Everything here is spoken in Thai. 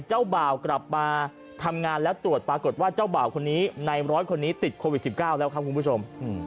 เจ้าบ่าวกลับมาทำงานแล้วตรวจปรากฏว่าเจ้าบ่าวคนนี้ในร้อยคนนี้ติดโควิด๑๙แล้วครับคุณผู้ชม